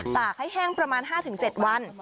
ตากให้แห้งประมาณ๕๗วัน